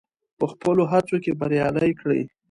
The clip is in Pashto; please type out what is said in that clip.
په خپلو هڅو کې بريالی کړي.